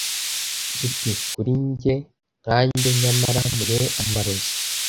Nshuti kuri njye nkanjye. Nyamara mugihe amarozi